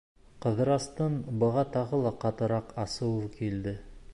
Ҡыҙырастың быға тағы ла ҡатыраҡ асыуы килде.